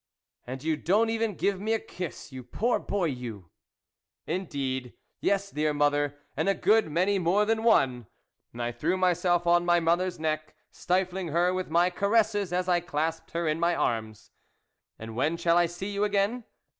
"And you don't even give me a kiss, you poor boy, you !"" Indeed, yes, dear mother, and a good many more than one !" And I threw myself on my mother's neck, stifling her with my caresses as I clasped her in my arms." " And when shall I see you again